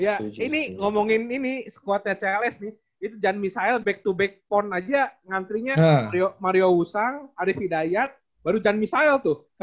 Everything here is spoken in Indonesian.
iya ini ngomongin ini squadnya cls nih itu jan misail back to back pawn aja ngantrinya mario woosang arief hidayat baru jan misail tuh